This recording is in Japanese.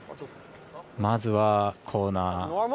まずはコーナー。